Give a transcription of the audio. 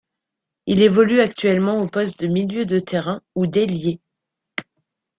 Il évolue actuellement au poste de milieu de terrain ou d'ailier.